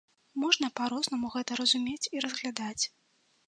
Можна па-рознаму гэта разумець і разглядаць.